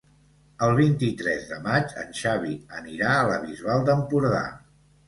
El vint-i-tres de maig en Xavi anirà a la Bisbal d'Empordà.